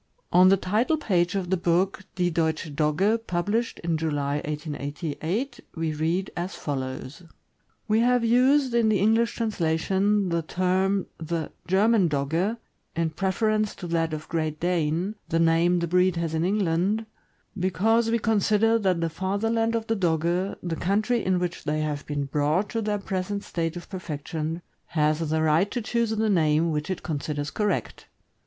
On the title page of the book "Die Deutsche Dogge," published in July, 1888, we read as follows: We have used in the English translation the term the '' German Dogge " in preference to that of "Great Dane," the name the breed has in England, because we consider that the fatherland of the Dogge, the country in which they have been brought to their present state of perfection, has the right to choose the name which it considers correct.